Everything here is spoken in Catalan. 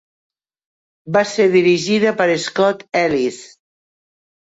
Va ser dirigida per Scott Ellis.